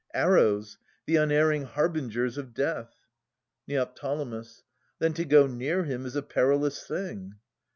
Arrows, the unerring harbingers of Death. Neo. Then to go near him is a perilous thing.